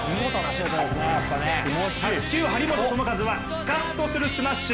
卓球・張本智和はスカッとするスマッシュ。